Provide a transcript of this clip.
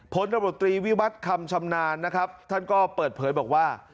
ผลตำรวจตรีวิวัตรคำชำนาญนะครับท่านก็เปิดเผยบอกว่า